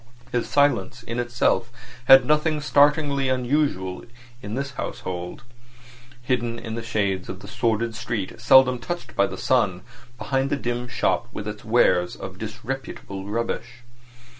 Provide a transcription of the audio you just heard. His silence in itself had nothing startlingly unusual in this household, hidden in the shades of the sordid street seldom touched by the sun, behind the dim shop with its wares of disreputable rubbish.